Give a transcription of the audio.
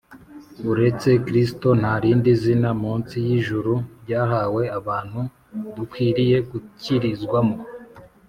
. Uretse Kristo, “nta rindi zina munsi y’ijuru ryahawe abantu, dukwiriye gukirizwamo